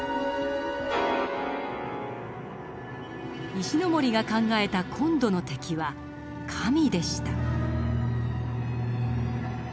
石森が考えた今度の敵は「神」でした。